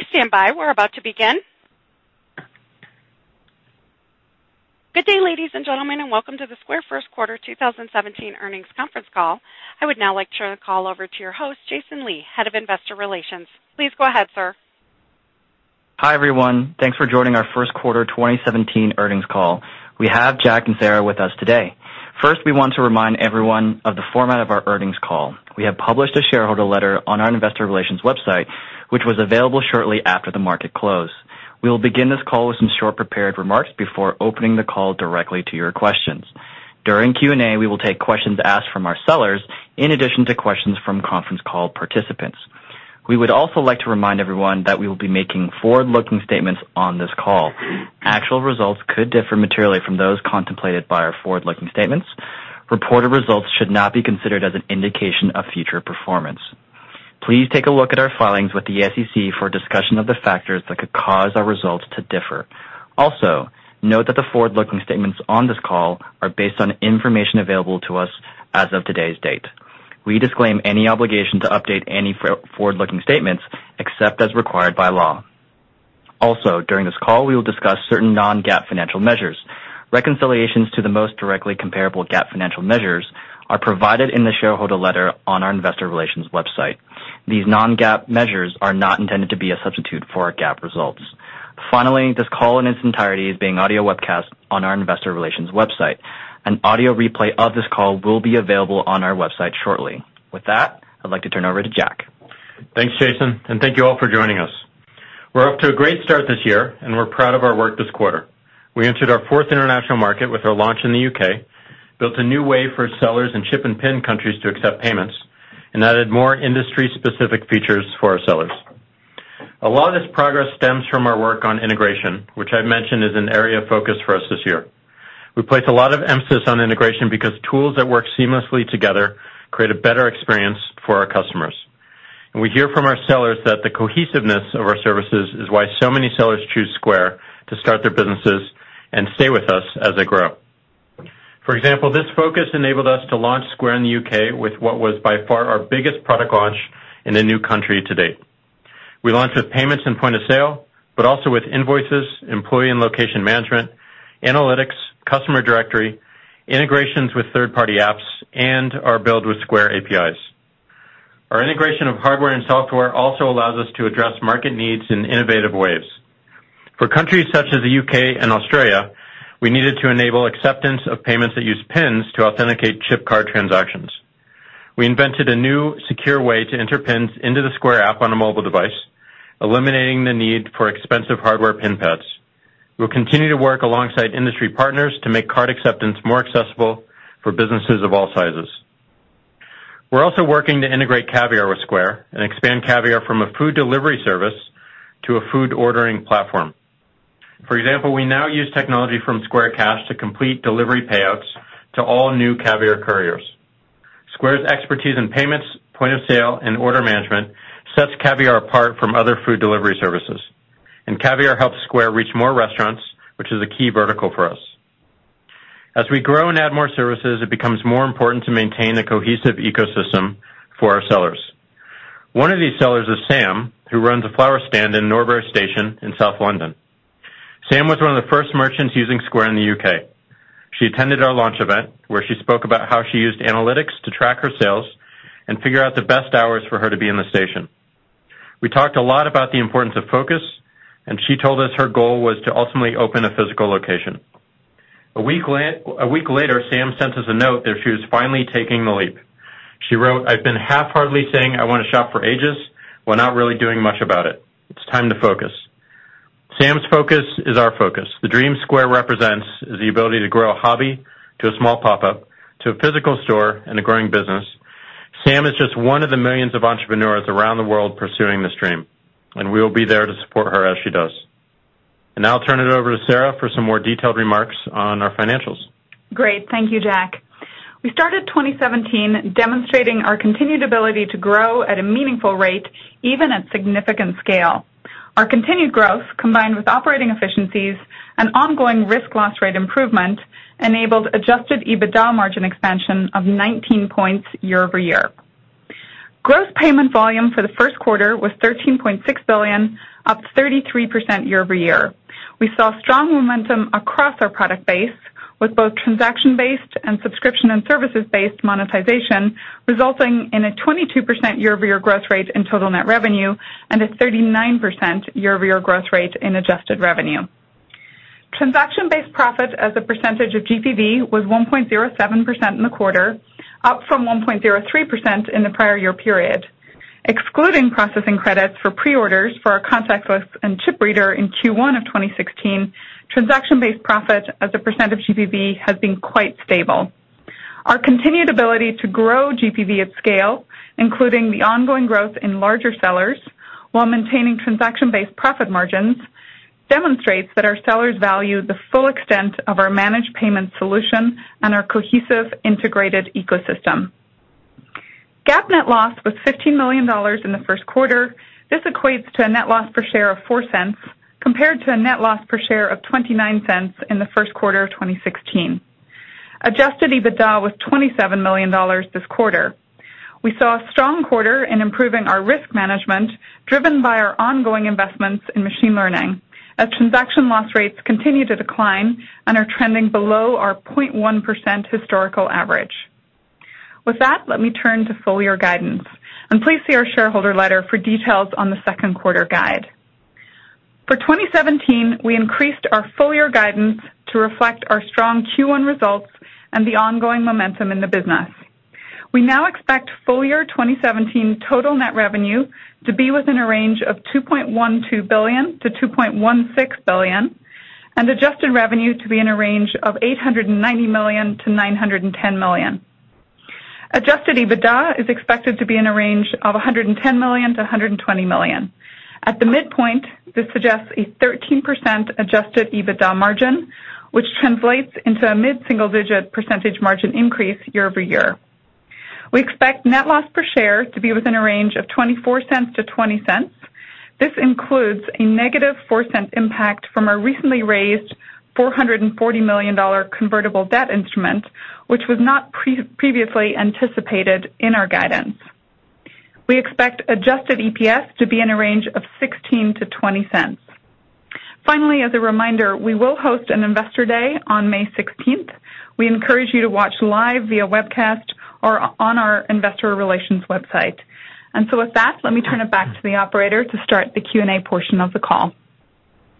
Please stand by. We're about to begin. Good day, ladies and gentlemen, and welcome to the Square first quarter 2017 earnings conference call. I would now like to turn the call over to your host, Jason Lee, Head of Investor Relations. Please go ahead, sir. Hi, everyone. Thanks for joining our first quarter 2017 earnings call. We have Jack and Sarah with us today. First, we want to remind everyone of the format of our earnings call. We have published a shareholder letter on our investor relations website, which was available shortly after the market close. We'll begin this call with some short prepared remarks before opening the call directly to your questions. During Q&A, we will take questions asked from our sellers in addition to questions from conference call participants. We would also like to remind everyone that we will be making forward-looking statements on this call. Actual results could differ materially from those contemplated by our forward-looking statements. Reported results should not be considered as an indication of future performance. Please take a look at our filings with the SEC for a discussion of the factors that could cause our results to differ. Note that the forward-looking statements on this call are based on information available to us as of today's date. We disclaim any obligation to update any forward-looking statements except as required by law. During this call, we will discuss certain non-GAAP financial measures. Reconciliations to the most directly comparable GAAP financial measures are provided in the shareholder letter on our investor relations website. These non-GAAP measures are not intended to be a substitute for our GAAP results. This call in its entirety is being audio webcast on our investor relations website. An audio replay of this call will be available on our website shortly. With that, I'd like to turn it over to Jack. Thanks, Jason, and thank you all for joining us. We're off to a great start this year, and we're proud of our work this quarter. We entered our fourth international market with our launch in the U.K., built a new way for sellers in chip and PIN countries to accept payments, and added more industry-specific features for our sellers. A lot of this progress stems from our work on integration, which I've mentioned is an area of focus for us this year. We place a lot of emphasis on integration because tools that work seamlessly together create a better experience for our customers. We hear from our sellers that the cohesiveness of our services is why so many sellers choose Square to start their businesses and stay with us as they grow. For example, this focus enabled us to launch Square in the U.K. with what was by far our biggest product launch in a new country to date. We launched with payments and point of sale, but also with invoices, employee and location management, analytics, customer directory, integrations with third-party apps, and our Build with Square APIs. Our integration of hardware and software also allows us to address market needs in innovative ways. For countries such as the U.K. and Australia, we needed to enable acceptance of payments that use PINs to authenticate chip card transactions. We invented a new, secure way to enter PINs into the Square app on a mobile device, eliminating the need for expensive hardware PIN pads. We'll continue to work alongside industry partners to make card acceptance more accessible for businesses of all sizes. We're also working to integrate Caviar with Square and expand Caviar from a food delivery service to a food ordering platform. For example, we now use technology from Square Cash to complete delivery payouts to all new Caviar couriers. Square's expertise in payments, point of sale, and order management sets Caviar apart from other food delivery services. Caviar helps Square reach more restaurants, which is a key vertical for us. As we grow and add more services, it becomes more important to maintain a cohesive ecosystem for our sellers. One of these sellers is Sam, who runs a flower stand in Norbury station in South London. Sam was one of the first merchants using Square in the U.K. She attended our launch event, where she spoke about how she used analytics to track her sales and figure out the best hours for her to be in the station. We talked a lot about the importance of focus, and she told us her goal was to ultimately open a physical location. A week later, Sam sent us a note that she was finally taking the leap. She wrote, "I've been half-heartedly saying I want a shop for ages, while not really doing much about it. It's time to focus." Sam's focus is our focus. The dream Square represents is the ability to grow a hobby to a small pop-up, to a physical store and a growing business. Sam is just one of the millions of entrepreneurs around the world pursuing this dream, and we will be there to support her as she does. Now I'll turn it over to Sarah for some more detailed remarks on our financials. Great. Thank you, Jack. We started 2017 demonstrating our continued ability to grow at a meaningful rate, even at significant scale. Our continued growth, combined with operating efficiencies and ongoing risk loss rate improvement, enabled adjusted EBITDA margin expansion of 19 points year-over-year. Gross payment volume for the first quarter was $13.6 billion, up 33% year-over-year. We saw strong momentum across our product base, with both transaction-based and subscription and services-based monetization resulting in a 22% year-over-year growth rate in total net revenue and a 39% year-over-year growth rate in adjusted revenue. Transaction-based profit as a percentage of GPV was 1.07% in the quarter, up from 1.03% in the prior year period. Excluding processing credits for pre-orders for our contactless and chip reader in Q1 of 2016, transaction-based profit as a % of GPV has been quite stable. Our continued ability to grow GPV at scale, including the ongoing growth in larger sellers, while maintaining transaction-based profit margins, demonstrates that our sellers value the full extent of our managed payment solution and our cohesive, integrated ecosystem. GAAP net loss was $15 million in the first quarter. This equates to a net loss per share of $0.04, compared to a net loss per share of $0.29 in the first quarter of 2016. Adjusted EBITDA was $27 million this quarter. We saw a strong quarter in improving our risk management, driven by our ongoing investments in machine learning, as transaction loss rates continue to decline and are trending below our 0.1% historical average. With that, let me turn to full-year guidance. Please see our shareholder letter for details on the second quarter guide. For 2017, we increased our full-year guidance to reflect our strong Q1 results and the ongoing momentum in the business. We now expect full-year 2017 total net revenue to be within a range of $2.12 billion-$2.16 billion, and adjusted revenue to be in a range of $890 million-$910 million. Adjusted EBITDA is expected to be in a range of $110 million-$120 million. At the midpoint, this suggests a 13% adjusted EBITDA margin, which translates into a mid-single-digit percentage margin increase year-over-year. We expect net loss per share to be within a range of $0.24-$0.20. This includes a negative $0.04 impact from our recently raised $440 million convertible debt instrument, which was not previously anticipated in our guidance. We expect adjusted EPS to be in a range of $0.16-$0.20. Finally, as a reminder, we will host an investor day on May 16th. We encourage you to watch live via webcast or on our investor relations website. With that, let me turn it back to the operator to start the Q&A portion of the call.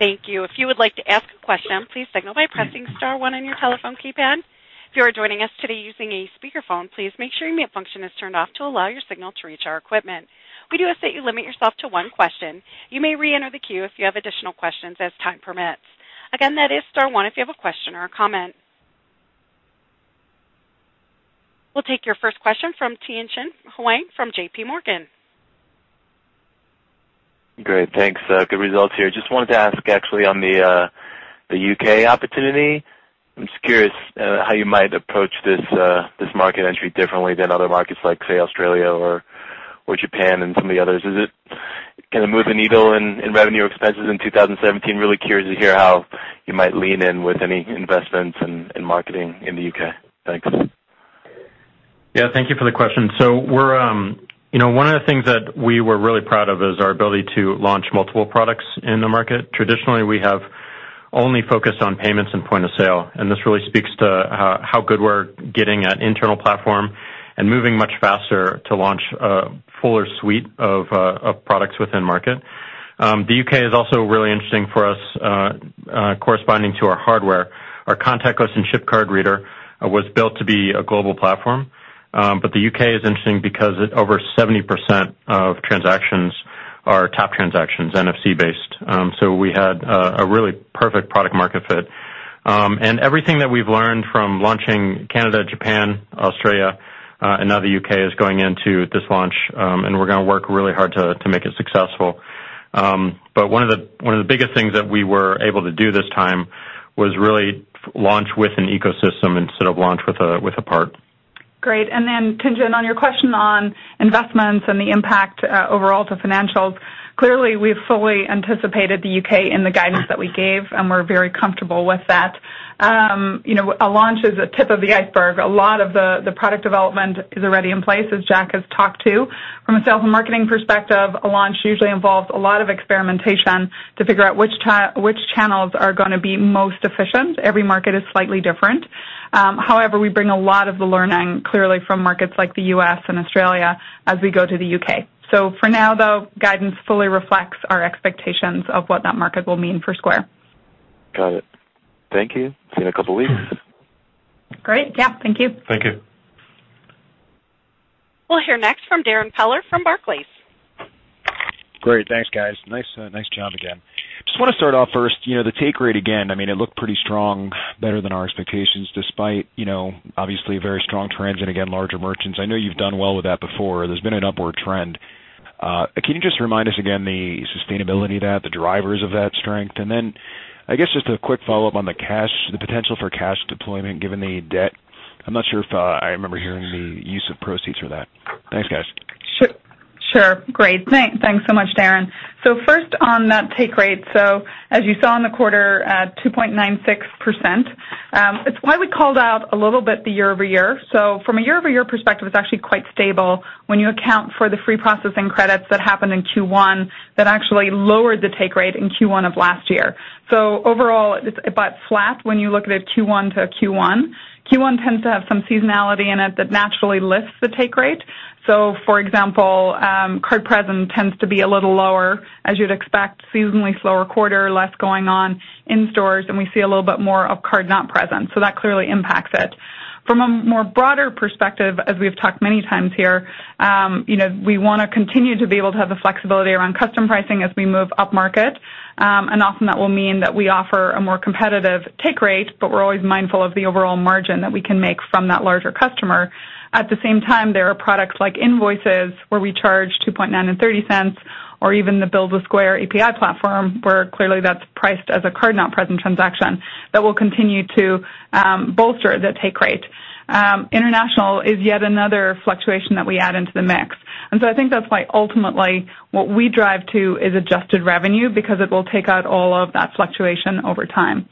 Thank you. If you would like to ask a question, please signal by pressing star one on your telephone keypad. If you are joining us today using a speakerphone, please make sure your mute function is turned off to allow your signal to reach our equipment. We do ask that you limit yourself to one question. You may reenter the queue if you have additional questions as time permits. Again, that is star one if you have a question or a comment. We'll take your first question from Tien-Tsin Huang from JPMorgan. Great. Thanks. Good results here. Just wanted to ask actually on the U.K. opportunity. I'm just curious how you might approach this market entry differently than other markets like, say, Australia or Japan and some of the others. Is it going to move the needle in revenue expenses in 2017? Really curious to hear how you might lean in with any investments in marketing in the U.K. Thanks. Yeah, thank you for the question. One of the things that we were really proud of is our ability to launch multiple products in the market. Traditionally, we have only focused on payments and Point of Sale, and this really speaks to how good we're getting at internal platform and moving much faster to launch a fuller suite of products within market. The U.K. is also really interesting for us, corresponding to our hardware. Our contactless and chip card reader was built to be a global platform. The U.K. is interesting because over 70% of transactions are tap transactions, NFC based. We had a really perfect product market fit. Everything that we've learned from launching Canada, Japan, Australia, and now the U.K. is going into this launch, and we're going to work really hard to make it successful. One of the biggest things that we were able to do this time was really launch with an ecosystem instead of launch with a part. Great. Tien-Tsin, on your question on investments and the impact overall to financials, clearly, we've fully anticipated the U.K. in the guidance that we gave, and we're very comfortable with that. A launch is a tip of the iceberg. A lot of the product development is already in place, as Jack has talked to. From a sales and marketing perspective, a launch usually involves a lot of experimentation to figure out which channels are going to be most efficient. Every market is slightly different. However, we bring a lot of the learning, clearly, from markets like the U.S. and Australia as we go to the U.K. For now, though, guidance fully reflects our expectations of what that market will mean for Square. Got it. Thank you. See you in a couple of weeks. Great. Yeah. Thank you. Thank you. We'll hear next from Darrin Peller from Barclays. Great. Thanks, guys. Nice job again. Want to start off first, the take rate again, it looked pretty strong, better than our expectations despite obviously very strong trends, again, larger merchants. I know you've done well with that before. There's been an upward trend. Can you just remind us again the sustainability of that, the drivers of that strength? I guess just a quick follow-up on the potential for cash deployment given the debt. I'm not sure if I remember hearing the use of proceeds for that. Thanks, guys. Sure. Great. Thanks so much, Darrin. First on that take rate. As you saw in the quarter, at 2.96%. It's why we called out a little bit the year-over-year. From a year-over-year perspective, it's actually quite stable when you account for the free processing credits that happened in Q1 that actually lowered the take rate in Q1 of last year. Overall, about flat when you look at a Q1 to a Q1. Q1 tends to have some seasonality in it that naturally lifts the take rate. For example, card present tends to be a little lower, as you'd expect, seasonally slower quarter, less going on in stores, and we see a little bit more of card-not-present. That clearly impacts it. From a more broader perspective, as we've talked many times here, we want to continue to be able to have the flexibility around custom pricing as we move upmarket. Often that will mean that we offer a more competitive take rate, but we're always mindful of the overall margin that we can make from that larger customer. At the same time, there are products like Square Invoices where we charge 2.9% and $0.30, or even the Build with Square API platform, where clearly that's priced as a card-not-present transaction, that will continue to bolster the take rate. International is yet another fluctuation that we add into the mix. I think that's why, ultimately, what we drive to is adjusted revenue, because it will take out all of that fluctuation over time.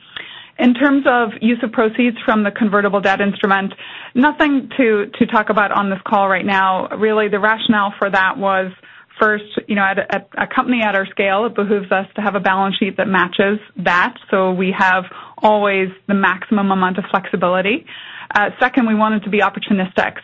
In terms of use of proceeds from the convertible debt instrument, nothing to talk about on this call right now. Really, the rationale for that was, first, a company at our scale, it behooves us to have a balance sheet that matches that, so we have always the maximum amount of flexibility. Second, we wanted to be opportunistic.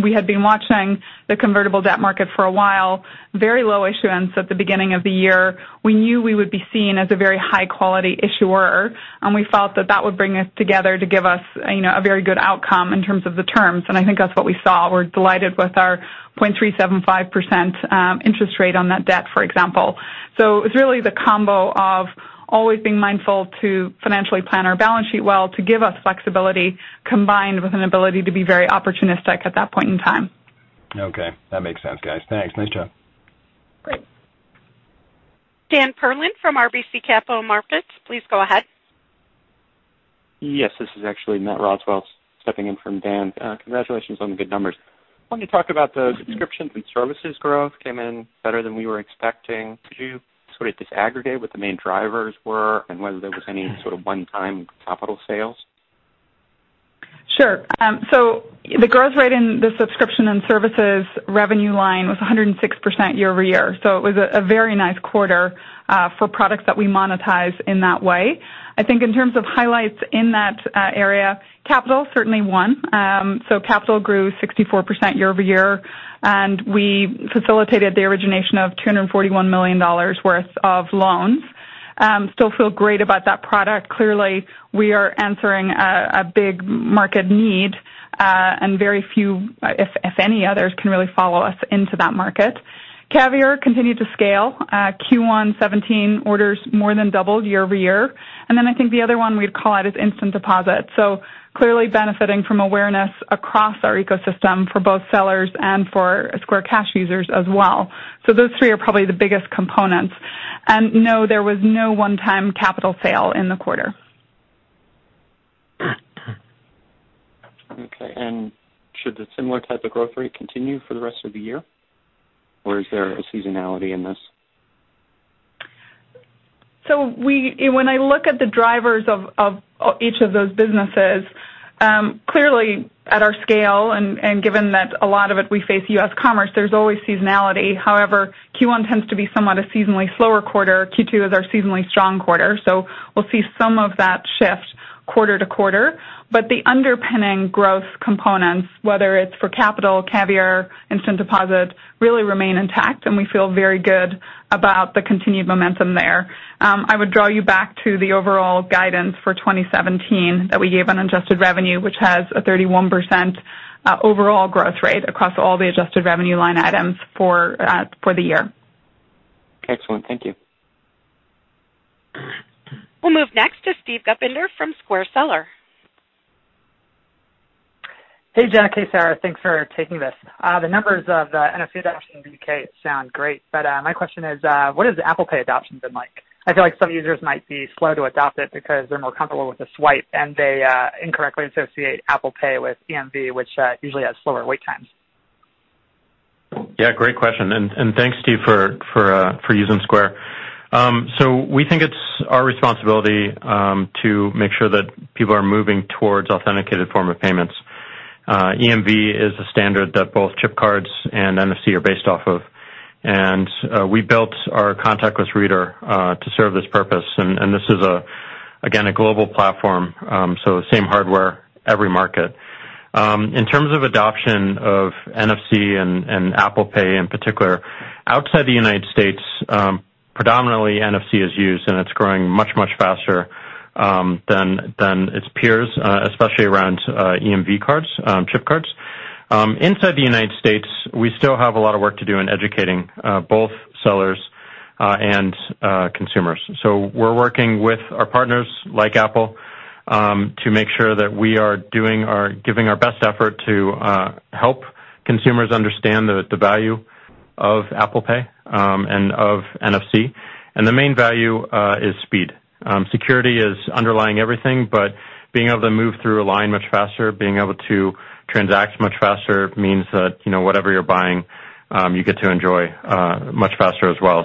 We had been watching the convertible debt market for a while, very low issuance at the beginning of the year. We knew we would be seen as a very high-quality issuer, we felt that that would bring us together to give us a very good outcome in terms of the terms, I think that's what we saw. We're delighted with our 0.375% interest rate on that debt, for example. it's really the combo of always being mindful to financially plan our balance sheet well to give us flexibility, combined with an ability to be very opportunistic at that point in time. Okay. That makes sense, guys. Thanks. Nice job. Great. Dan Perlin from RBC Capital Markets, please go ahead. Yes, this is actually Matt Roswell stepping in from Dan. Congratulations on the good numbers. Wanted to talk about the subscriptions and services growth, came in better than we were expecting. Could you sort of disaggregate what the main drivers were and whether there was any sort of one-time capital sales? The growth rate in the subscription and services revenue line was 106% year-over-year. It was a very nice quarter for products that we monetize in that way. I think in terms of highlights in that area, Square Capital, certainly one. Square Capital grew 64% year-over-year, and we facilitated the origination of $241 million worth of loans. Still feel great about that product. Clearly, we are answering a big market need, and very few, if any others, can really follow us into that market. Caviar continued to scale. Q1 2017 orders more than doubled year-over-year. Then I think the other one we'd call out is Instant Transfer. Clearly benefiting from awareness across our ecosystem for both sellers and for Square Cash users as well. Those three are probably the biggest components. No, there was no one-time Square Capital sale in the quarter. Okay. Should the similar type of growth rate continue for the rest of the year? Or is there a seasonality in this? When I look at the drivers of each of those businesses, clearly, at our scale and given that a lot of it we face U.S. commerce, there's always seasonality. However, Q1 tends to be somewhat a seasonally slower quarter. Q2 is our seasonally strong quarter. We'll see some of that shift quarter to quarter. The underpinning growth components, whether it's for Square Capital, Caviar, Instant Transfer, really remain intact, and we feel very good about the continued momentum there. I would draw you back to the overall guidance for 2017 that we gave on adjusted revenue, which has a 31% overall growth rate across all the adjusted revenue line items for the year. Excellent. Thank you. We'll move next to Steve Guppinder from Square Seller. Hey, Jack. Hey, Sarah. Thanks for taking this. The numbers of the NFC adoption in the U.K. sound great, my question is, what has the Apple Pay adoption been like? I feel like some users might be slow to adopt it because they're more comfortable with the swipe and they incorrectly associate Apple Pay with EMV, which usually has slower wait times. Yeah, great question. Thanks, Steve, for using Square. We think it's our responsibility to make sure that people are moving towards authenticated form of payments. EMV is a standard that both chip cards and NFC are based off of. We built our contactless reader to serve this purpose, and this is, again, a global platform, so same hardware every market. In terms of adoption of NFC and Apple Pay in particular, outside the United States, predominantly NFC is used, and it's growing much, much faster than its peers, especially around EMV cards, chip cards. Inside the United States, we still have a lot of work to do in educating both sellers and consumers. We're working with our partners, like Apple, to make sure that we are giving our best effort to help consumers understand the value of Apple Pay and of NFC. The main value is speed. Security is underlying everything, but being able to move through a line much faster, being able to transact much faster means that whatever you're buying, you get to enjoy much faster as well.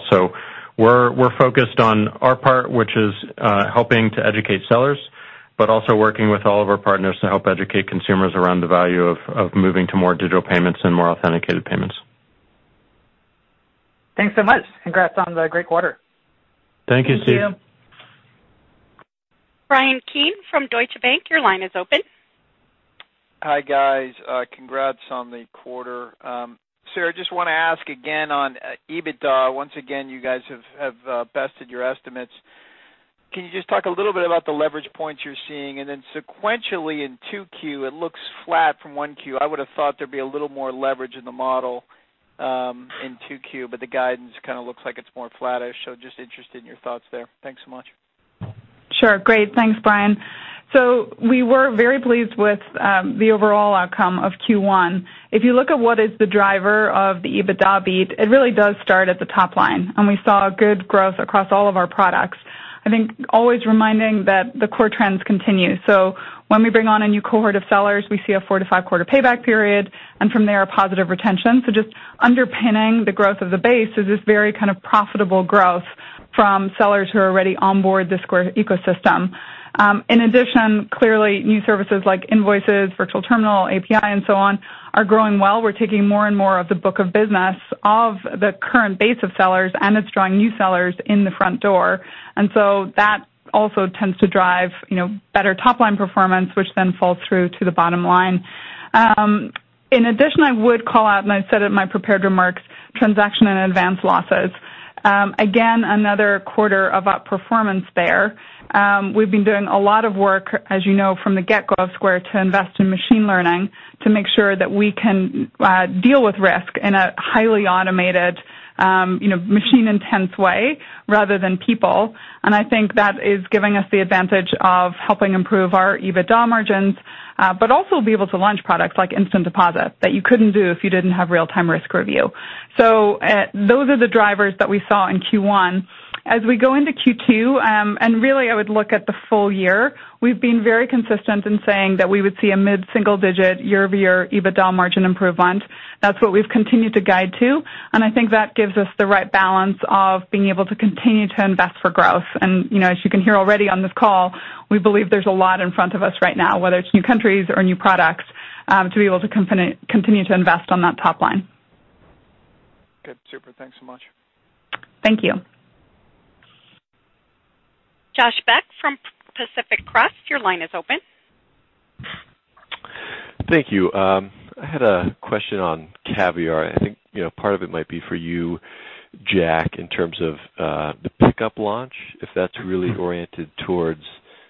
We're focused on our part, which is helping to educate sellers, but also working with all of our partners to help educate consumers around the value of moving to more digital payments and more authenticated payments. Thanks so much. Congrats on the great quarter. Thank you, Steve. Thank you. Bryan Keane from Deutsche Bank, your line is open. Hi, guys. Congrats on the quarter. Sarah, I just want to ask again on EBITDA. Once again, you guys have bested your estimates. Can you just talk a little bit about the leverage points you're seeing? Sequentially in 2Q, it looks flat from 1Q. I would've thought there'd be a little more leverage in the model in 2Q, the guidance kind of looks like it's more flattish, just interested in your thoughts there. Thanks so much. Sure. Great. Thanks, Bryan. We were very pleased with the overall outcome of Q1. If you look at what is the driver of the EBITDA beat, it really does start at the top line, we saw good growth across all of our products. I think always reminding that the core trends continue. When we bring on a new cohort of sellers, we see a four to five-quarter payback period, from there, a positive retention. Just underpinning the growth of the base is this very kind of profitable growth from sellers who are already on board the Square ecosystem. In addition, clearly, new services like invoices, virtual terminal, API, and so on, are growing well. We're taking more and more of the book of business of the current base of sellers, it's drawing new sellers in the front door. That also tends to drive better top-line performance, which then falls through to the bottom line. In addition, I would call out, I said it in my prepared remarks, transaction and advance losses. Again, another quarter of outperformance there. We've been doing a lot of work, as you know, from the get-go of Square to invest in machine learning to make sure that we can deal with risk in a highly automated, machine-intense way rather than people. I think that is giving us the advantage of helping improve our EBITDA margins, but also be able to launch products like Instant Transfer that you couldn't do if you didn't have real-time risk review. Those are the drivers that we saw in Q1. As we go into Q2, and really, I would look at the full year, we've been very consistent in saying that we would see a mid-single-digit year-over-year EBITDA margin improvement. That's what we've continued to guide to, and I think that gives us the right balance of being able to continue to invest for growth. As you can hear already on this call, we believe there's a lot in front of us right now, whether it's new countries or new products, to be able to continue to invest on that top line. Good. Super. Thanks so much. Thank you. Josh Beck from Pacific Crest, your line is open. Thank you. I had a question on Caviar. I think part of it might be for you, Jack, in terms of the pickup launch, if that's really oriented towards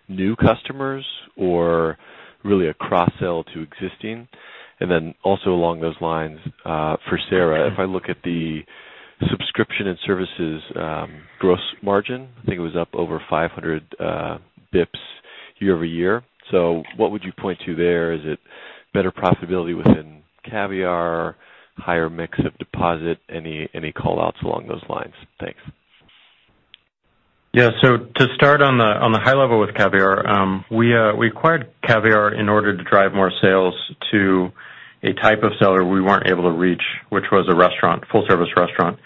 new customers or really a cross-sell to existing. Also along those lines, for Sarah, if I look at the subscription and services gross margin, I think it was up over 500 basis points year-over-year. What would you point to there? Is it better profitability within Caviar, higher mix of deposit? Any call-outs along those lines? Thanks. Yeah. To start on the high level with Caviar, we acquired Caviar in order to drive more sales to a type of seller we weren't able to reach, which was a full-service restaurant.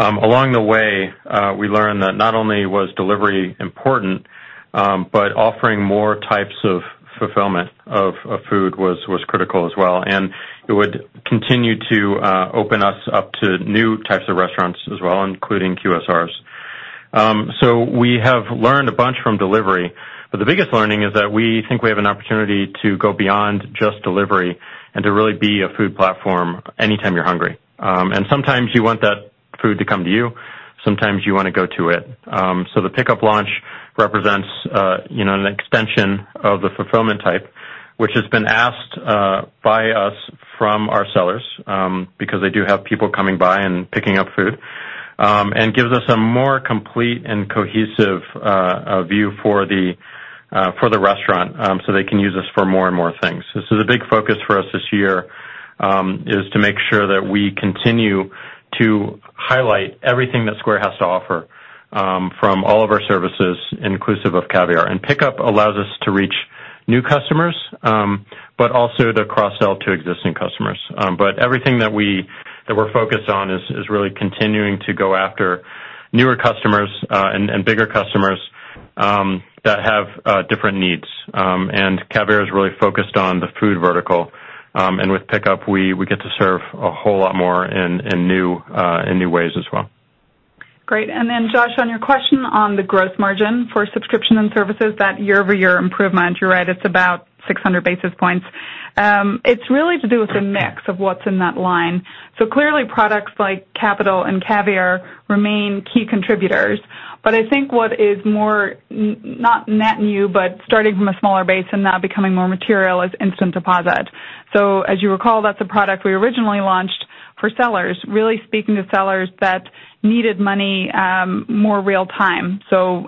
Along the way, we learned that not only was delivery important, but offering more types of fulfillment of food was critical as well, and it would continue to open us up to new types of restaurants as well, including QSRs. We have learned a bunch from delivery, but the biggest learning is that we think we have an opportunity to go beyond just delivery and to really be a food platform anytime you're hungry. Sometimes you want that food to come to you, sometimes you want to go to it. The pickup launch represents an extension of the fulfillment type, which has been asked by us from our sellers, because they do have people coming by and picking up food, and gives us a more complete and cohesive view for the restaurant, so they can use us for more and more things. This is a big focus for us this year, is to make sure that we continue to highlight everything that Square has to offer from all of our services, inclusive of Caviar. Pickup allows us to reach new customers, but also to cross-sell to existing customers. Everything that we're focused on is really continuing to go after newer customers and bigger customers that have different needs. Caviar is really focused on the food vertical. With pickup, we get to serve a whole lot more in new ways as well. Great. Josh, on your question on the gross margin for subscription and services, that year-over-year improvement, you're right, it's about 600 basis points. It's really to do with the mix of what's in that line. Clearly products like Capital and Caviar remain key contributors. I think what is more, not net new, but starting from a smaller base and now becoming more material is Instant Transfer. As you recall, that's a product we originally launched for sellers, really speaking to sellers that needed money more real time.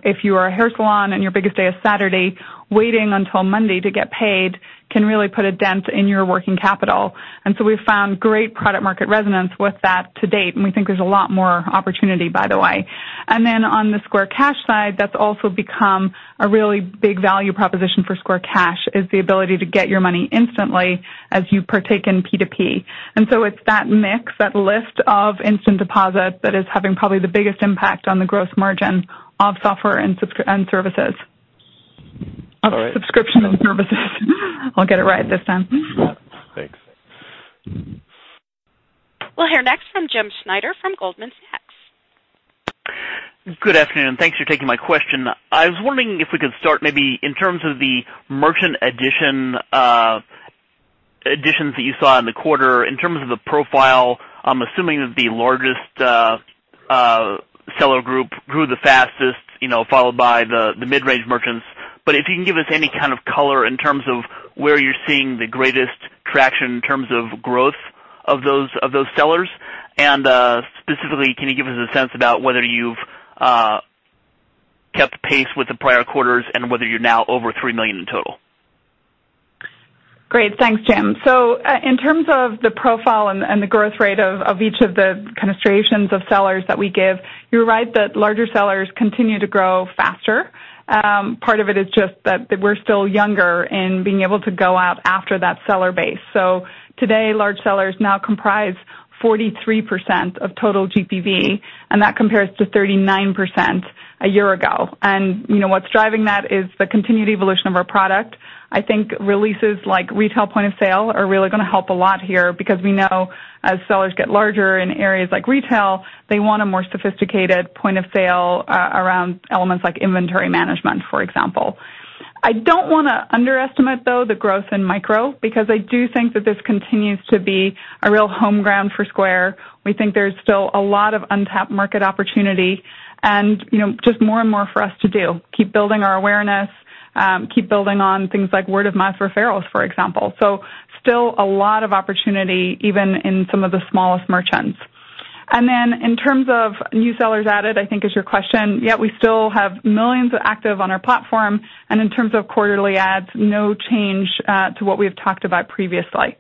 If you are a hair salon and your biggest day is Saturday, waiting until Monday to get paid can really put a dent in your working capital. We've found great product market resonance with that to date, and we think there's a lot more opportunity, by the way. On the Square Cash side, that's also become a really big value proposition for Square Cash, is the ability to get your money instantly as you partake in P2P. It's that mix, that lift of Instant Transfer that is having probably the biggest impact on the gross margin of software and services. Of subscription and services. I'll get it right this time. Yeah. Thanks. We'll hear next from James Schneider from Goldman Sachs. Good afternoon. Thanks for taking my question. I was wondering if we could start maybe in terms of the merchant additions that you saw in the quarter. In terms of the profile, I'm assuming that the largest seller group grew the fastest, followed by the mid-range merchants. If you can give us any kind of color in terms of where you're seeing the greatest traction in terms of growth of those sellers. Specifically, can you give us a sense about whether you've kept pace with the prior quarters and whether you're now over 3 million in total? Great. Thanks, Jim. In terms of the profile and the growth rate of each of the kind of striations of sellers that we give, you're right that larger sellers continue to grow faster. Part of it is just that we're still younger and being able to go out after that seller base. Today, large sellers now comprise 43% of total GPV, and that compares to 39% a year ago. What's driving that is the continued evolution of our product. I think releases like retail point-of-sale are really going to help a lot here because we know as sellers get larger in areas like retail, they want a more sophisticated point-of-sale around elements like inventory management, for example. I don't want to underestimate, though, the growth in micro, because I do think that this continues to be a real home ground for Square. We think there's still a lot of untapped market opportunity and just more and more for us to do. Keep building our awareness, keep building on things like word of mouth referrals, for example. Still a lot of opportunity even in some of the smallest merchants. In terms of new sellers added, I think is your question. Yeah, we still have millions active on our platform. In terms of quarterly adds, no change to what we have talked about previously.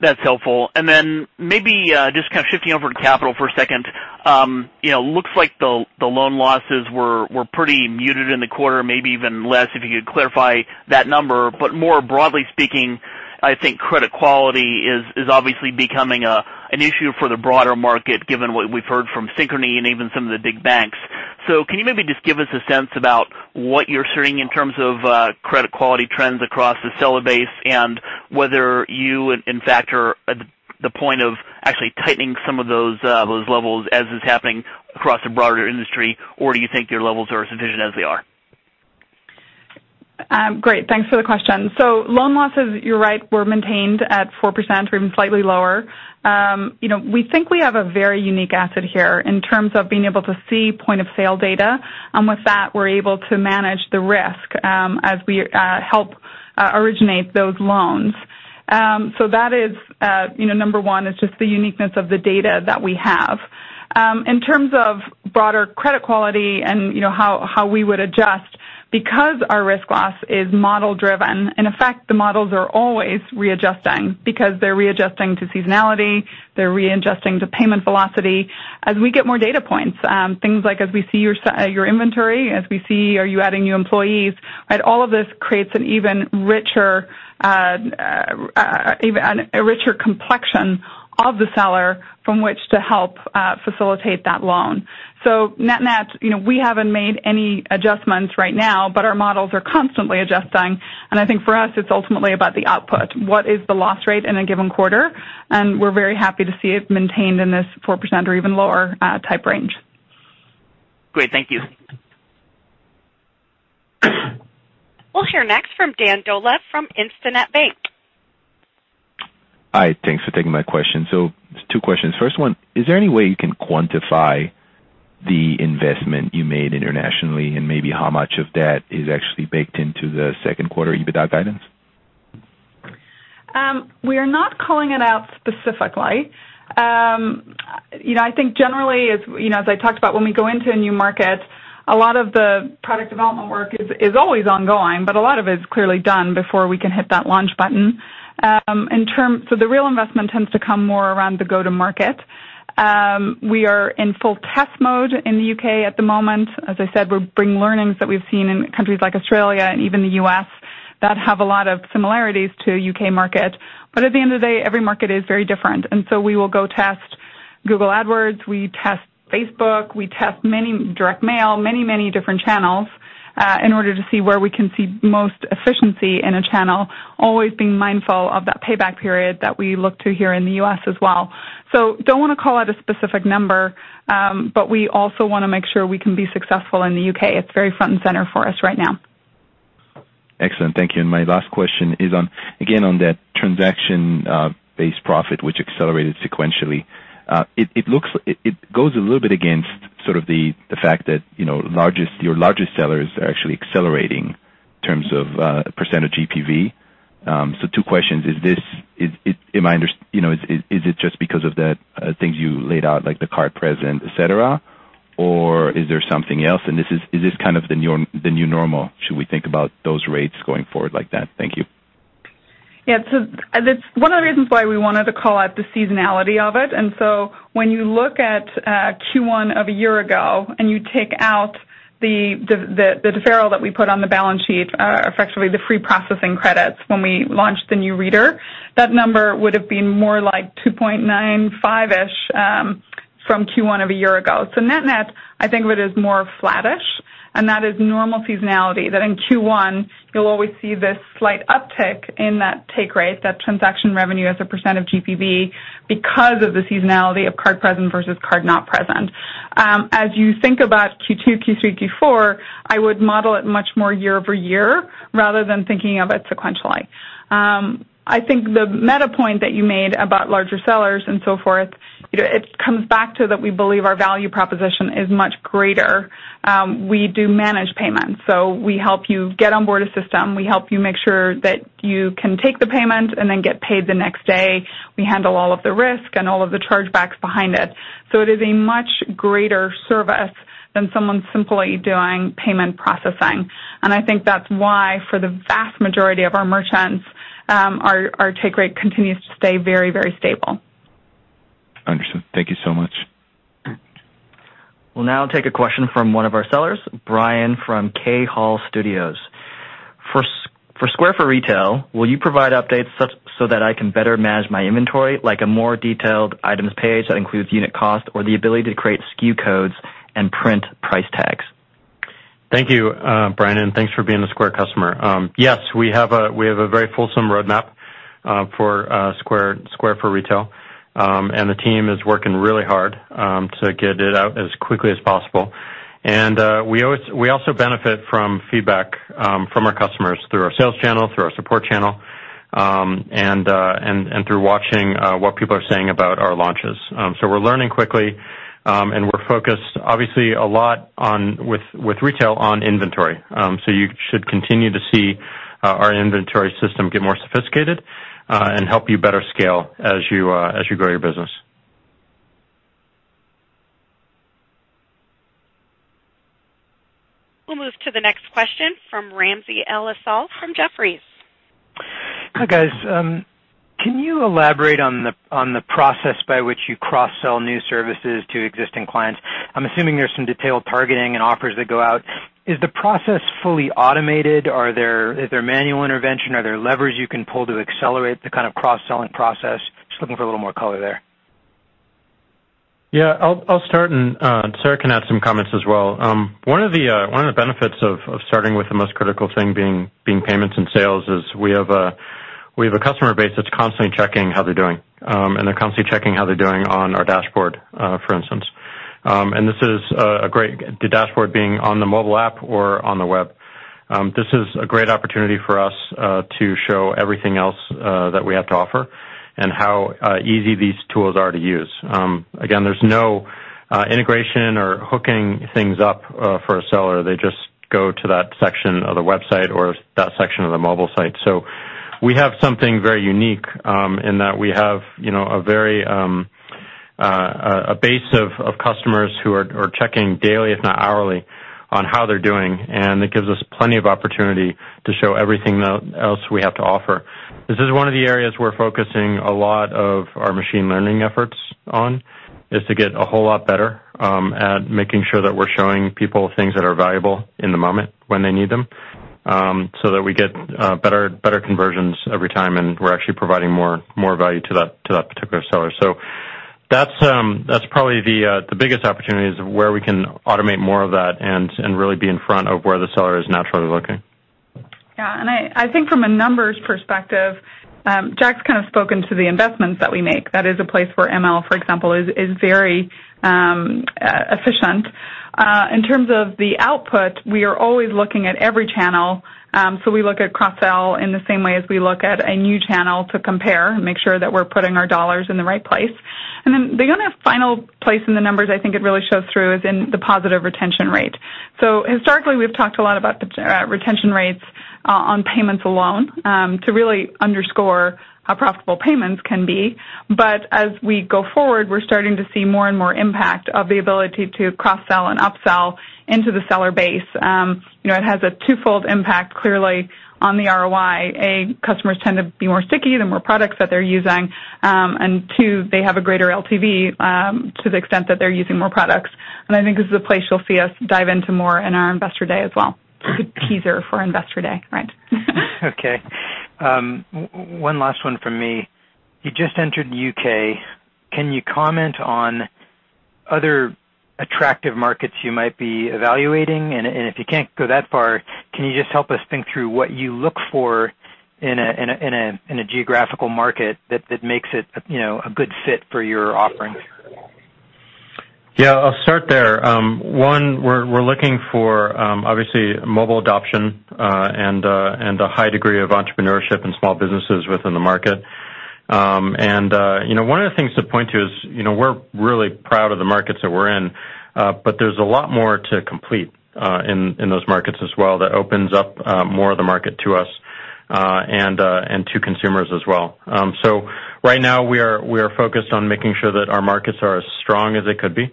That's helpful. Maybe just kind of shifting over to capital for a second. Looks like the loan losses were pretty muted in the quarter, maybe even less, if you could clarify that number. More broadly speaking, I think credit quality is obviously becoming an issue for the broader market, given what we've heard from Synchrony and even some of the big banks. Can you maybe just give us a sense about what you're seeing in terms of credit quality trends across the seller base and whether you, in fact, are at the point of actually tightening some of those levels as is happening across the broader industry? Or do you think your levels are sufficient as they are? Great. Thanks for the question. Loan losses, you're right, were maintained at 4%, or even slightly lower. We think we have a very unique asset here in terms of being able to see point-of-sale data. With that, we're able to manage the risk as we help originate those loans. That is number one, is just the uniqueness of the data that we have. In terms of broader credit quality and how we would adjust, because our risk loss is model-driven, in effect, the models are always readjusting because they're readjusting to seasonality, they're readjusting to payment velocity. As we get more data points, things like as we see your inventory, as we see are you adding new employees, all of this creates an even richer complexion of the seller from which to help facilitate that loan. Net-net, we haven't made any adjustments right now, but our models are constantly adjusting, and I think for us, it's ultimately about the output. What is the loss rate in a given quarter? We're very happy to see it maintained in this 4% or even lower type range. Great. Thank you. We'll hear next from Dan Dolev from Instinet Bank. Hi, thanks for taking my question. Two questions. First one, is there any way you can quantify the investment you made internationally and maybe how much of that is actually baked into the second quarter EBITDA guidance? We are not calling it out specifically. I think generally, as I talked about, when we go into a new market, a lot of the product development work is always ongoing, but a lot of it is clearly done before we can hit that launch button. The real investment tends to come more around the go-to-market. We are in full test mode in the U.K. at the moment. As I said, we're bringing learnings that we've seen in countries like Australia and even the U.S. that have a lot of similarities to U.K. market. At the end of the day, every market is very different. We will go test Google AdWords, we test Facebook, we test direct mail, many different channels in order to see where we can see most efficiency in a channel, always being mindful of that payback period that we look to here in the U.S. as well. Don't want to call out a specific number, we also want to make sure we can be successful in the U.K. It's very front and center for us right now. Excellent. Thank you. My last question is on, again, on that transaction-based profit, which accelerated sequentially. It goes a little bit against sort of the fact that your largest sellers are actually accelerating in terms of % of GPV. Two questions. Is it just because of the things you laid out, like the card present, etcetera? Or is there something else, is this kind of the new normal? Should we think about those rates going forward like that? Thank you. Yeah. One of the reasons why we wanted to call out the seasonality of it, when you look at Q1 of a year ago and you take out the deferral that we put on the balance sheet, effectively the free processing credits when we launched the new reader, that number would have been more like 2.95-ish from Q1 of a year ago. Net-net, I think of it as more flattish, that is normal seasonality, that in Q1, you'll always see this slight uptick in that take rate, that transaction revenue as a % of GPV because of the seasonality of card present versus card not present. As you think about Q2, Q3, Q4, I would model it much more year-over-year rather than thinking of it sequentially. I think the meta point that you made about larger sellers and so forth, it comes back to that we believe our value proposition is much greater. We do manage payments, we help you get on board a system. We help you make sure that you can take the payment and then get paid the next day. We handle all of the risk and all of the chargebacks behind it. It is a much greater service than someone simply doing payment processing. I think that's why for the vast majority of our merchants, our take rate continues to stay very stable. Understood. Thank you so much. We'll now take a question from one of our sellers, Brian from K. Hall Studio. For Square for Retail, will you provide updates so that I can better manage my inventory, like a more detailed items page that includes unit cost or the ability to create SKU codes and print price tags? Thank you, Brian, and thanks for being a Square customer. Yes, we have a very fulsome roadmap for Square for Retail. The team is working really hard to get it out as quickly as possible. We also benefit from feedback from our customers through our sales channel, through our support channel, and through watching what people are saying about our launches. We're learning quickly, and we're focused obviously a lot on, with retail, on inventory. You should continue to see our inventory system get more sophisticated, and help you better scale as you grow your business. We'll move to the next question from Ramsey El-Assal from Jefferies. Hi, guys. Can you elaborate on the process by which you cross-sell new services to existing clients? I'm assuming there's some detailed targeting and offers that go out. Is the process fully automated? Is there manual intervention? Are there levers you can pull to accelerate the kind of cross-selling process? Just looking for a little more color there. Yeah, I'll start. Sarah can add some comments as well. One of the benefits of starting with the most critical thing being payments and sales is we have a customer base that's constantly checking how they're doing. They're constantly checking how they're doing on our dashboard, for instance. The dashboard being on the mobile app or on the web. This is a great opportunity for us, to show everything else that we have to offer and how easy these tools are to use. Again, there's no integration or hooking things up for a seller. They just go to that section of the website or that section of the mobile site. We have something very unique, in that we have a base of customers who are checking daily, if not hourly, on how they're doing, and it gives us plenty of opportunity to show everything else we have to offer. This is one of the areas we're focusing a lot of our machine learning efforts on, is to get a whole lot better at making sure that we're showing people things that are valuable in the moment when they need them, so that we get better conversions every time and we're actually providing more value to that particular seller. That's probably the biggest opportunity is where we can automate more of that and really be in front of where the seller is naturally looking. Yeah, I think from a numbers perspective, Jack's kind of spoken to the investments that we make. That is a place where ML, for example, is very efficient. In terms of the output, we are always looking at every channel, so we look at cross-sell in the same way as we look at a new channel to compare and make sure that we're putting our dollars in the right place. The only final place in the numbers I think it really shows through is in the positive retention rate. Historically, we've talked a lot about the retention rates on payments alone, to really underscore how profitable payments can be. As we go forward, we're starting to see more and more impact of the ability to cross-sell and upsell into the seller base. It has a twofold impact, clearly, on the ROI. A, customers tend to be more sticky, the more products that they're using. Two, they have a greater LTV, to the extent that they're using more products. I think this is a place you'll see us dive into more in our investor day as well. It's a good teaser for investor day, right? Okay. One last one from me. You just entered the U.K. If you can't go that far, can you just help us think through what you look for in a geographical market that makes it a good fit for your offering? Yeah, I'll start there. One, we're looking for, obviously, mobile adoption, and a high degree of entrepreneurship and small businesses within the market. One of the things to point to is we're really proud of the markets that we're in, but there's a lot more to complete in those markets as well that opens up more of the market to us, and to consumers as well. Right now, we are focused on making sure that our markets are as strong as they could be,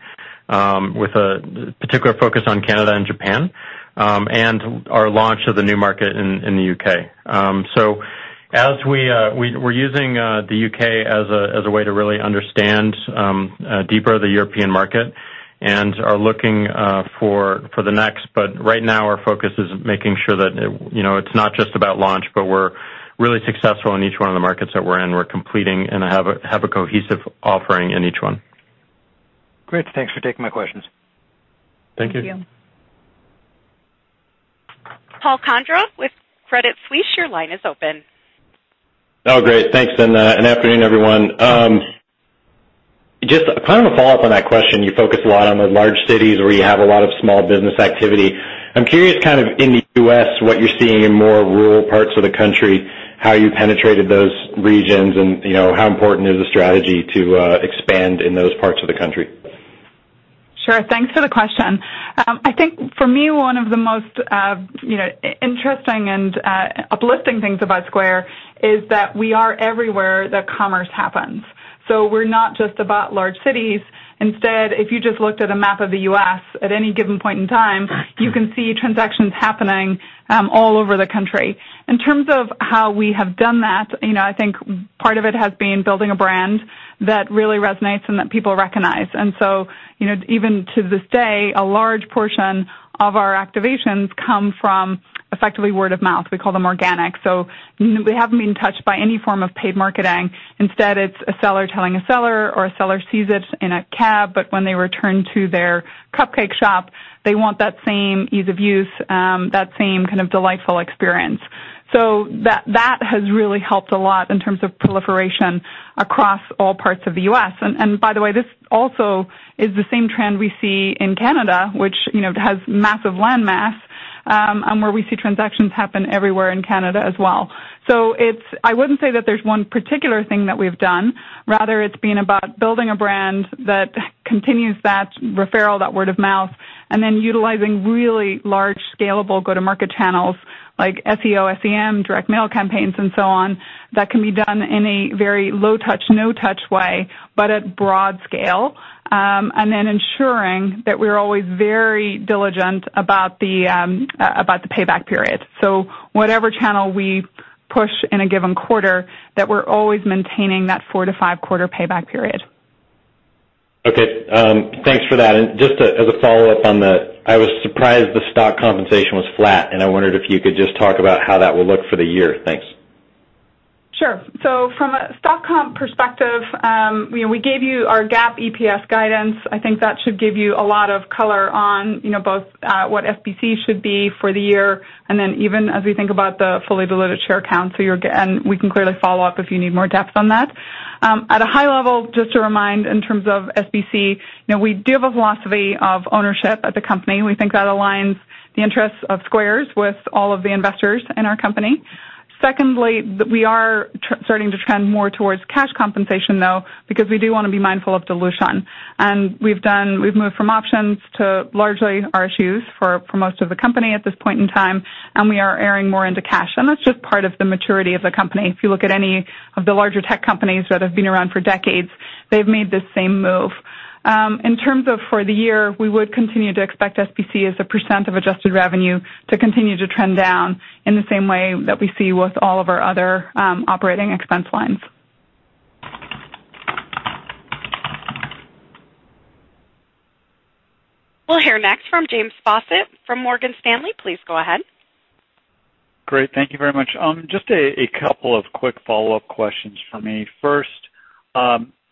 with a particular focus on Canada and Japan, and our launch of the new market in the U.K. We're using the U.K. as a way to really understand deeper the European market and are looking for the next. Right now, our focus is making sure that it's not just about launch, but we're really successful in each one of the markets that we're in. We're completing and have a cohesive offering in each one. Great. Thanks for taking my questions. Thank you. Thank you. Paul Condra with Credit Suisse, your line is open. Oh, great. Thanks, and afternoon, everyone. Just kind of a follow-up on that question. You focus a lot on the large cities where you have a lot of small business activity. I'm curious kind of in the U.S. what you're seeing in more rural parts of the country, how you penetrated those regions and how important is the strategy to expand in those parts of the country? Sure. Thanks for the question. I think for me, one of the most interesting and uplifting things about Square is that we are everywhere that commerce happens. We're not just about large cities. Instead, if you just looked at a map of the U.S. at any given point in time, you can see transactions happening all over the country. In terms of how we have done that, I think part of it has been building a brand that really resonates and that people recognize. Even to this day, a large portion of our activations come from effectively word of mouth. We call them organic. They haven't been touched by any form of paid marketing. Instead, it's a seller telling a seller, or a seller sees it in a cab, but when they return to their cupcake shop, they want that same ease of use, that same kind of delightful experience. That has really helped a lot in terms of proliferation across all parts of the U.S. By the way, this also is the same trend we see in Canada, which has massive land mass, and where we see transactions happen everywhere in Canada as well. I wouldn't say that there's one particular thing that we've done. Rather, it's been about building a brand that continues that referral, that word of mouth, and then utilizing really large scalable go-to-market channels like SEO, SEM, direct mail campaigns, and so on, that can be done in a very low touch, no touch way, but at broad scale. Ensuring that we're always very diligent about the payback period. Whatever channel we push in a given quarter, that we're always maintaining that four to five quarter payback period. Okay. Thanks for that. Just as a follow-up on the, I was surprised the stock compensation was flat, and I wondered if you could just talk about how that will look for the year. Thanks. Sure. From a stock comp perspective, we gave you our GAAP EPS guidance. I think that should give you a lot of color on both what SBC should be for the year, even as we think about the fully diluted share count. We can clearly follow up if you need more depth on that. At a high level, just to remind in terms of SBC, we do have a philosophy of ownership at the company, and we think that aligns the interests of Square's with all of the investors in our company. Secondly, we are starting to trend more towards cash compensation though, because we do want to be mindful of dilution. We've moved from options to largely RSUs for most of the company at this point in time, and we are erring more into cash. That's just part of the maturity of the company. If you look at any of the larger tech companies that have been around for decades, they've made the same move. In terms of for the year, we would continue to expect SBC as a % of adjusted revenue to continue to trend down in the same way that we see with all of our other operating expense lines. We'll hear next from James Faucette from Morgan Stanley. Please go ahead. Great. Thank you very much. Just a couple of quick follow-up questions from me. First,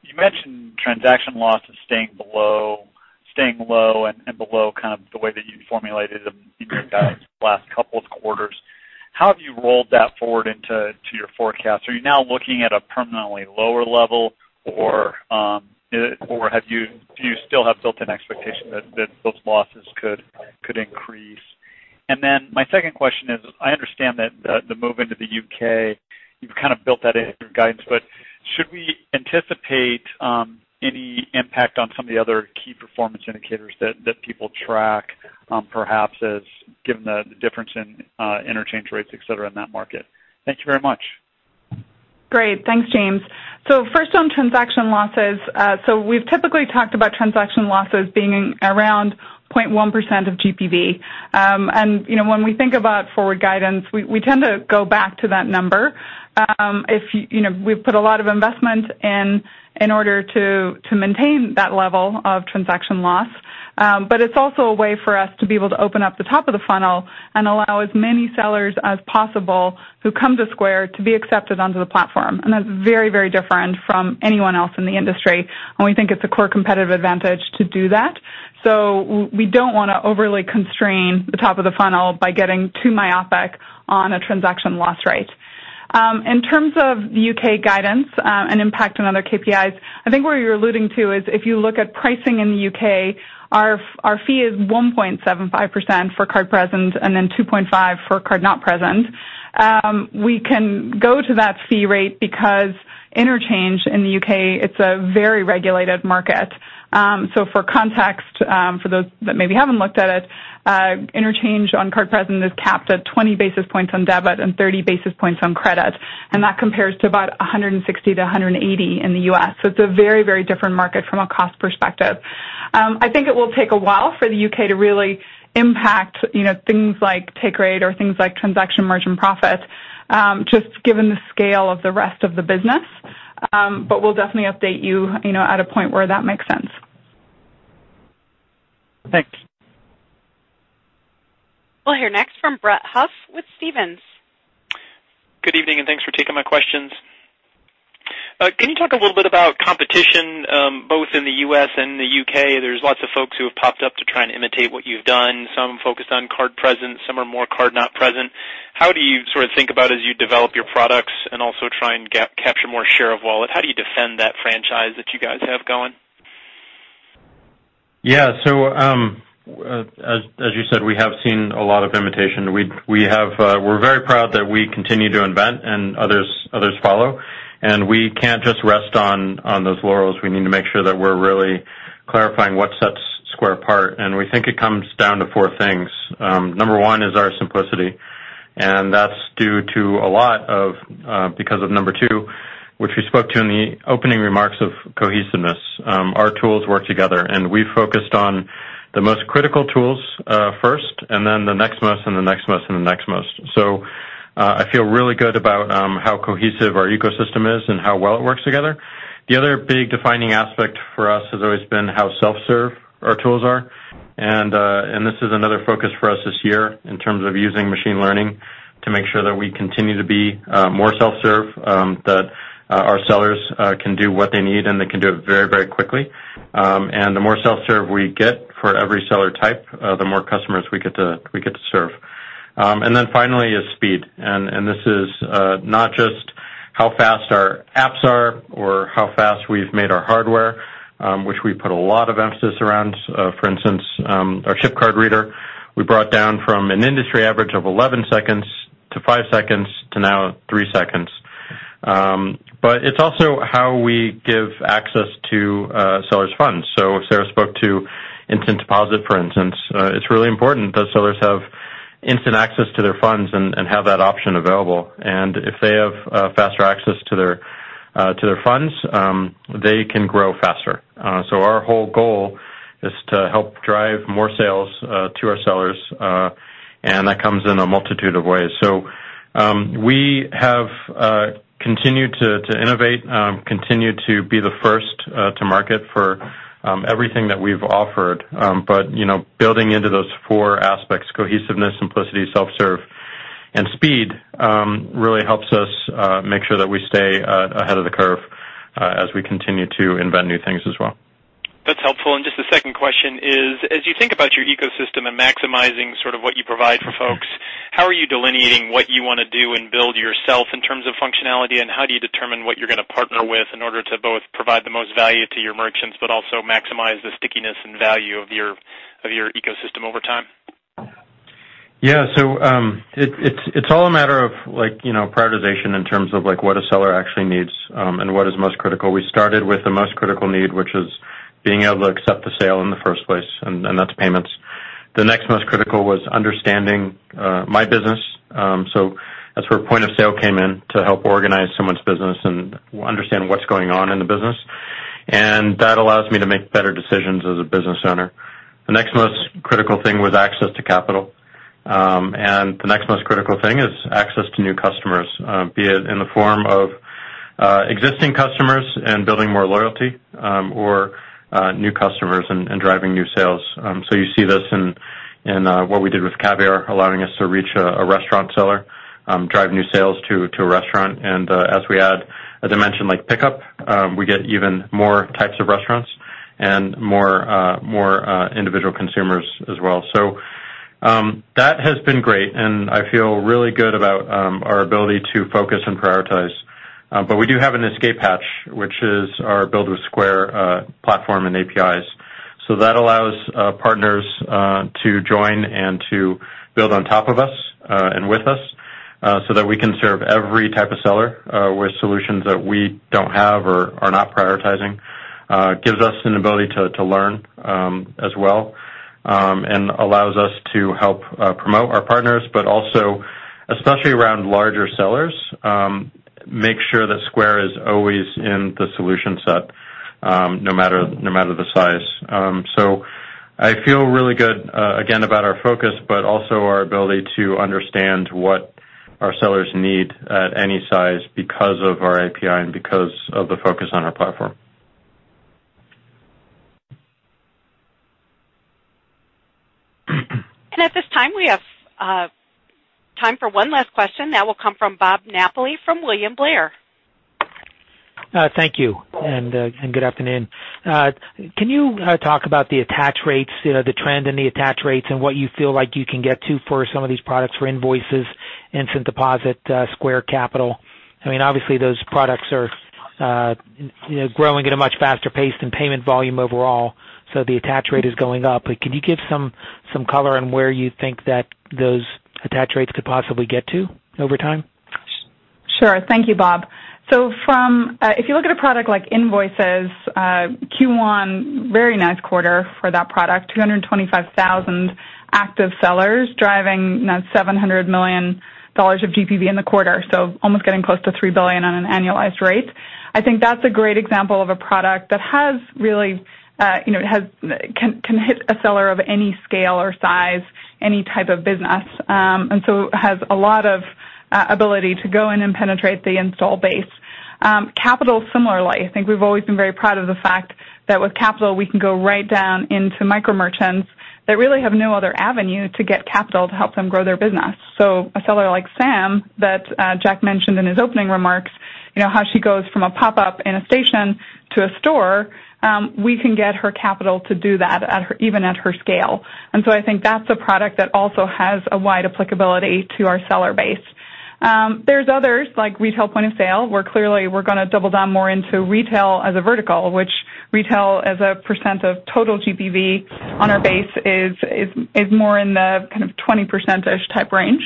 you mentioned transaction losses staying low and below kind of the way that you formulated them in your guidance the last couple of quarters. How have you rolled that forward into your forecast? Are you now looking at a permanently lower level or do you still have built-in expectation that those losses could increase? My second question is, I understand that the move into the U.K., you've kind of built that into your guidance, but should we anticipate any impact on some of the other key performance indicators that people track, perhaps as given the difference in interchange rates, et cetera, in that market? Thank you very much. Great. Thanks, James. First on transaction losses. We've typically talked about transaction losses being around 0.1% of GPV. When we think about forward guidance, we tend to go back to that number. We've put a lot of investment in order to maintain that level of transaction loss. It's also a way for us to be able to open up the top of the funnel and allow as many sellers as possible who come to Square to be accepted onto the platform. That's very, very different from anyone else in the industry, and we think it's a core competitive advantage to do that. We don't want to overly constrain the top of the funnel by getting too myopic on a transaction loss rate. In terms of the U.K. guidance, and impact on other KPIs, I think where you're alluding to is if you look at pricing in the U.K., our fee is 1.75% for card present, and then 2.5% for card not present. We can go to that fee rate because interchange in the U.K., it's a very regulated market. For context, for those that maybe haven't looked at it, interchange on card present is capped at 20 basis points on debit and 30 basis points on credit, and that compares to about 160 basis points to 180 basis points in the U.S. It's a very, very different market from a cost perspective. I think it will take a while for the U.K. to really impact things like take rate or things like transaction margin profit, just given the scale of the rest of the business. We'll definitely update you at a point where that makes sense. Thanks. We'll hear next from Brett Huff with Stephens. Good evening, and thanks for taking my questions. Can you talk a little bit about competition both in the U.S. and the U.K.? There's lots of folks who have popped up to try and imitate what you've done. Some focused on card present, some are more card not present. How do you sort of think about as you develop your products and also try and capture more share of wallet? How do you defend that franchise that you guys have going? Yeah. As you said, we have seen a lot of imitation. We're very proud that we continue to invent and others follow, we can't just rest on those laurels. We need to make sure that we're really clarifying what sets Square apart, we think it comes down to four things. Number one is our simplicity. That's due to a lot of, because of number two, which we spoke to in the opening remarks of cohesiveness. Our tools work together, we focused on the most critical tools first, then the next most, the next most, the next most. I feel really good about how cohesive our ecosystem is and how well it works together. The other big defining aspect for us has always been how self-serve our tools are. This is another focus for us this year in terms of using machine learning to make sure that we continue to be more self-serve, that our sellers can do what they need, they can do it very quickly. The more self-serve we get for every seller type, the more customers we get to serve. Then finally is speed. This is not just how fast our apps are or how fast we've made our hardware, which we put a lot of emphasis around. For instance, our chip card reader, we brought down from an industry average of 11 seconds to five seconds to now three seconds. It's also how we give access to sellers' funds. Sarah spoke to Instant Transfer, for instance. It's really important that sellers have instant access to their funds and have that option available. If they have faster access to their funds, they can grow faster. Our whole goal is to help drive more sales to our sellers, and that comes in a multitude of ways. We have continued to innovate, continued to be the first to market for everything that we've offered. Building into those four aspects, cohesiveness, simplicity, self-serve, and speed, really helps us make sure that we stay ahead of the curve as we continue to invent new things as well. That's helpful. Just the second question is, as you think about your ecosystem and maximizing sort of what you provide for folks, how are you delineating what you want to do and build yourself in terms of functionality, and how do you determine what you're going to partner with in order to both provide the most value to your merchants, but also maximize the stickiness and value of your ecosystem over time? It's all a matter of prioritization in terms of what a seller actually needs and what is most critical. We started with the most critical need, which is being able to accept the sale in the first place, and that's payments. The next most critical was understanding my business. That's where Point of Sale came in to help organize someone's business and understand what's going on in the business. That allows me to make better decisions as a business owner. The next most critical thing was access to capital. The next most critical thing is access to new customers, be it in the form of existing customers and building more loyalty, or new customers and driving new sales. You see this in what we did with Caviar, allowing us to reach a restaurant seller, drive new sales to a restaurant. As we add a dimension like pickup, we get even more types of restaurants and more individual consumers as well. That has been great, and I feel really good about our ability to focus and prioritize. We do have an escape hatch, which is our Build with Square platform and APIs. That allows partners to join and to build on top of us, and with us, that we can serve every type of seller with solutions that we don't have or are not prioritizing. Gives us an ability to learn as well, and allows us to help promote our partners, but also, especially around larger sellers, make sure that Square is always in the solution set, no matter the size. I feel really good, again, about our focus, but also our ability to understand what our sellers need at any size because of our API and because of the focus on our platform. At this time, we have time for one last question. That will come from Bob Napoli from William Blair. Thank you. Good afternoon. Can you talk about the attach rates, the trend in the attach rates, and what you feel like you can get to for some of these products for Invoices, Instant Deposit, Square Capital? Obviously, those products are growing at a much faster pace than payment volume overall. The attach rate is going up. Could you give some color on where you think that those attach rates could possibly get to over time? Sure. Thank you, Bob. If you look at a product like Invoices, Q1, very nice quarter for that product, 225,000 active sellers driving $700 million of GPV in the quarter, almost getting close to $3 billion on an annualized rate. I think that's a great example of a product that can hit a seller of any scale or size, any type of business. It has a lot of ability to go in and penetrate the install base. Capital, similarly, I think we've always been very proud of the fact that with Capital, we can go right down into micro merchants that really have no other avenue to get capital to help them grow their business. A seller like Sam, that Jack mentioned in his opening remarks, how she goes from a pop-up in a station to a store, we can get her capital to do that, even at her scale. I think that's a product that also has a wide applicability to our seller base. There's others, like retail Point of Sale, where clearly we're going to double down more into retail as a vertical, which retail as a percent of total GPV on our base is more in the kind of 20%-ish type range.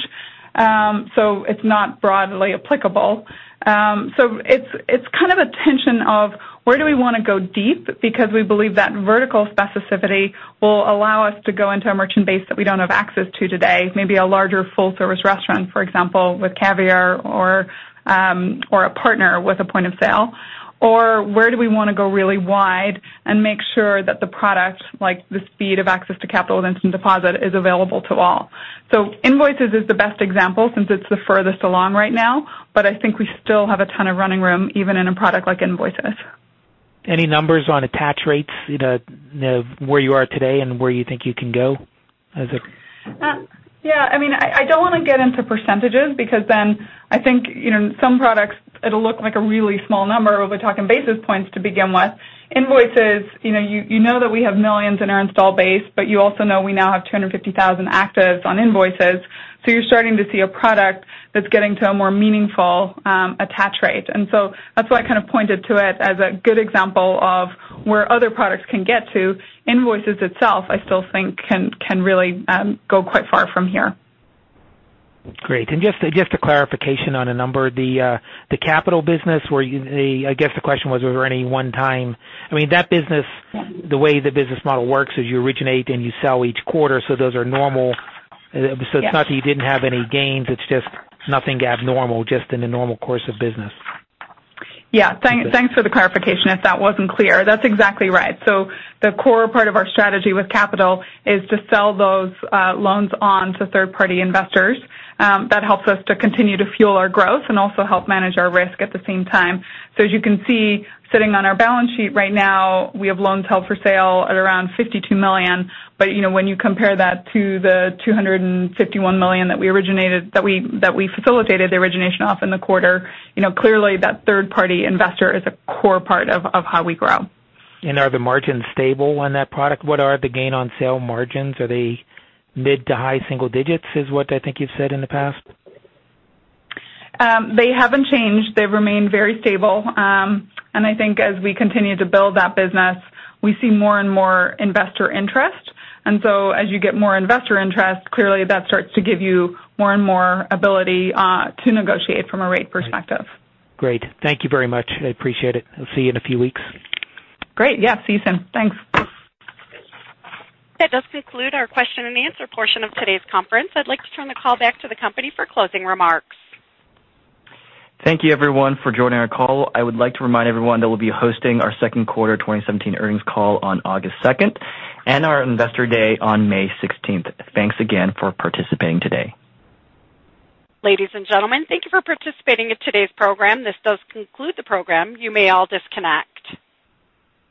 It's not broadly applicable. It's kind of a tension of where do we want to go deep because we believe that vertical specificity will allow us to go into a merchant base that we don't have access to today, maybe a larger full-service restaurant, for example, with Caviar or a partner with a Point of Sale. Or where do we want to go really wide and make sure that the product, like the speed of access to capital with Instant Transfer, is available to all. Invoices is the best example since it's the furthest along right now, but I think we still have a ton of running room, even in a product like Invoices. Any numbers on attach rates, where you are today and where you think you can go as a. Yeah. I don't want to get into %s because then I think some products, it'll look like a really small number. We'll be talking basis points to begin with. Invoices, you know that we have millions in our install base, but you also know we now have 250,000 actives on Invoices. You're starting to see a product that's getting to a more meaningful attach rate. That's why I pointed to it as a good example of where other products can get to. Invoices itself, I still think can really go quite far from here. Great. Just a clarification on a number. The Capital business where you. I guess the question was there any one time. That business. Yeah the way the business model works is you originate and you sell each quarter, so those are normal. Yes. It's not that you didn't have any gains, it's just nothing abnormal, just in the normal course of business. Yeah. Thanks for the clarification if that wasn't clear. That's exactly right. The core part of our strategy with Capital is to sell those loans on to third-party investors. That helps us to continue to fuel our growth and also help manage our risk at the same time. As you can see, sitting on our balance sheet right now, we have loans held for sale at around $52 million. When you compare that to the $251 million that we facilitated the origination of in the quarter, clearly that third-party investor is a core part of how we grow. Are the margins stable on that product? What are the gain on sale margins? Are they mid to high single digits is what I think you've said in the past? They haven't changed. They've remained very stable. I think as we continue to build that business, we see more and more investor interest. As you get more investor interest, clearly that starts to give you more and more ability to negotiate from a rate perspective. Great. Thank you very much. I appreciate it. I'll see you in a few weeks. Great. Yeah. See you soon. Thanks. That does conclude our question and answer portion of today's conference. I'd like to turn the call back to the company for closing remarks. Thank you everyone for joining our call. I would like to remind everyone that we'll be hosting our second quarter 2017 earnings call on August 2nd and our investor day on May 16th. Thanks again for participating today. Ladies and gentlemen, thank you for participating in today's program. This does conclude the program. You may all disconnect.